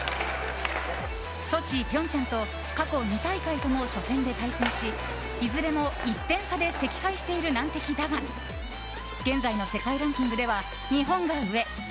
ソチ、平昌と過去２大会とも初戦で対戦しいずれも１点差で惜敗している難敵だが現在の世界ランキングでは日本が上。